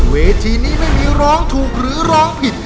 เวทีนี้ไม่มีร้องถูกหรือร้องผิด